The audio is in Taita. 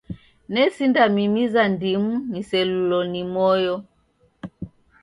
Nesindamimiza ndimu niselulo ni moyo.